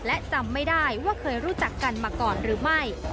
และจำไม่ได้ว่าเคยรู้จักกันมาก่อนหรือไม่